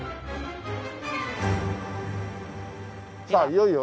さあいよいよ。